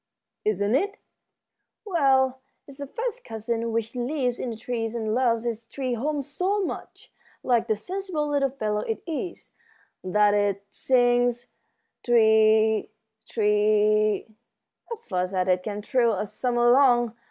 "Isn't it? Well, it's a first cousin which lives in the trees and loves its tree home so much, like the sensible little fellow it is, that it sings 'Tr e e e, tr e e e,' as fast as it can trill all summer long.